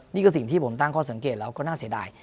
นี่คือสิ่งที่ผมตั้งข้อสังเกตแล้วก็น่าเสียดาย